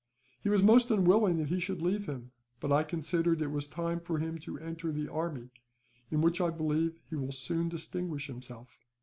He was most unwilling that he should leave him, but I considered it was time for him to enter the army; in which, I believe, he will soon distinguish himself."